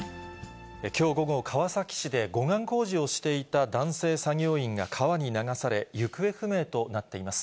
きょう午後、川崎市で、護岸工事をしていた男性作業員が川に流され、行方不明となっています。